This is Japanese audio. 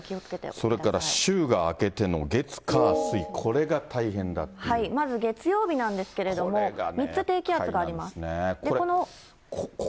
それから週が明けての月、火、まず月曜日なんですけれども、３つ低気圧があります。